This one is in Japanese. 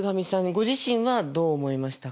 ご自身はどう思いましたか？